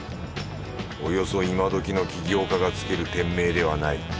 およそ今どきの起業家がつける店名ではない。